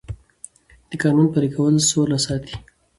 د قانون پلي کول سوله ساتي